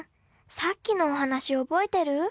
さっきのお話覚えてる？